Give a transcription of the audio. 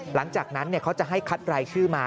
หลังจากนั้นเขาจะให้คัดรายชื่อมา